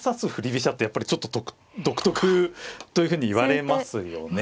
飛車ってやっぱりちょっと独特というふうにいわれますよね。